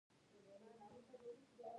خلک د ارام لپاره هند ته ځي.